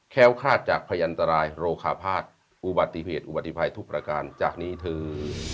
้วคาดจากพยันตรายโรคาภาคอุบัติเหตุอุบัติภัยทุกประการจากนี้เธอ